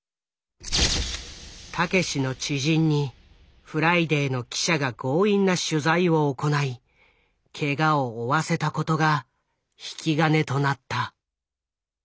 たけしの知人に「フライデー」の記者が強引な取材を行いケガを負わせたことが引き金となった。